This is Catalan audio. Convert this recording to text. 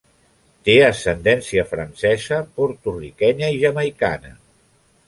Té ascendència francesa, porto-riquenya i jamaicana.